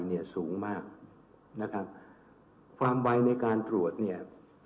เนี่ยสูงมากนะครับความไวในการตรวจเนี่ย